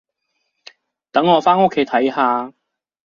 等我返屋企睇下